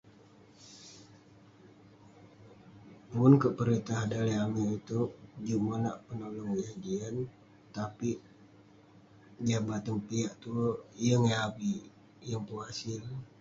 Pun kek peritah daleh amik itouk, monak penolong yah jian tapik jah bateng piak tue. Yeng eh avik, yeng pun hasil.